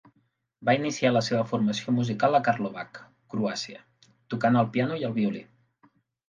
Va iniciar la seva formació musical a Karlovac, Croàcia, tocant el piano i el violí.